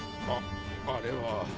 ああれは。